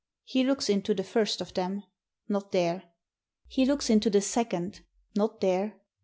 He looks into the first of them: not there. He looks into the second: not there.